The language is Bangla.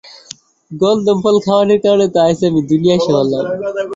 গন্ধম ফল খাওয়ানির কারণেই তো আইজ আমি দুনিয়ায় আইসা পড়লাম!